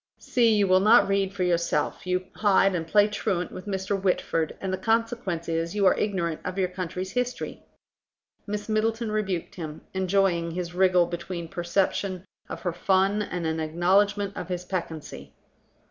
"See, you will not read for yourself, you hide and play truant with Mr. Whitford, and the consequence is you are ignorant of your country's history." Miss Middleton rebuked him, enjoying his wriggle between a perception of her fun and an acknowledgment of his peccancy.